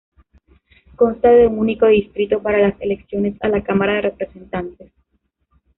Consta de un único distrito para las elecciones a la Cámara de Representantes.